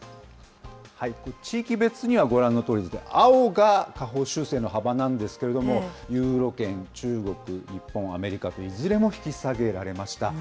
地域別にはご覧のとおり、青が下方修正の幅なんですけれども、ユーロ圏、中国、日本、アメリカと、いずれも引き下げられました。